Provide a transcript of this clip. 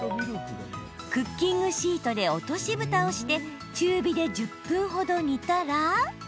クッキングシートで落としぶたをして中火で１０分ほど煮たら。